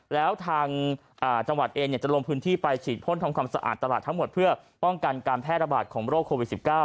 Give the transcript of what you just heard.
แล้วทางจังหวัดเองจะลงพื้นที่ไปฉีดพ่นทำความสะอาดตลาดทั้งหมดเพื่อป้องกันการแพร่ระบาดของโรคโควิด๑๙